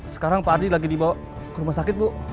sekarang pak ardi lagi dibawa ke rumah sakit bu